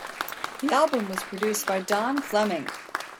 The album was produced by Don Fleming.